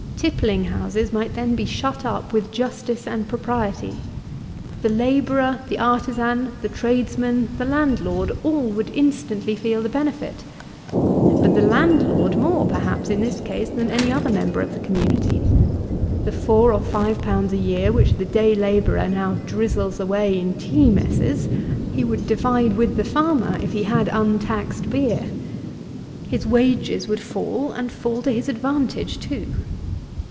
Tippling houses might then be shut up with justice and propriety. The labourer, the artisan, the tradesman, the landlord, all would instantly feel the benefit. But the landlord more, perhaps, in this case, than any other member of the community. The four or five pounds a year which the day labourer now drizzles away in tea messes, he would divide with the farmer, if he had untaxed beer. His wages would fall, and fall to his advantage too.